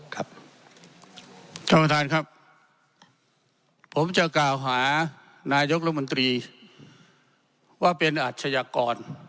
ท่านประธานครับผมจะกล่าวหานายกรมนตรีว่าเป็นอาชญากร